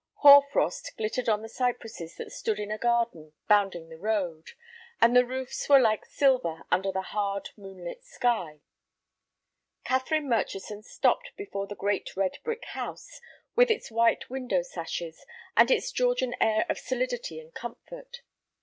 Hoar frost glittered on the cypresses that stood in a garden bounding the road, and the roofs were like silver under the hard, moonlit sky. Catherine Murchison stopped before the great red brick house with its white window sashes, and its Georgian air of solidity and comfort.